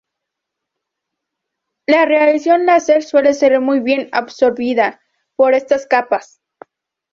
La radiación láser suele ser muy bien absorbida por estas capas.